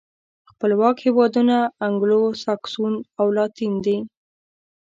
خپلواک هېوادونه انګلو ساکسوسن او لاتین دي.